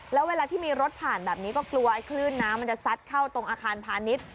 แล้วเวลาที่มีรถผ่านแบบนี้ก็กลัวไอ้คลื่นน้ำมันจะซัดเข้าตรงอาคารพาณิชย์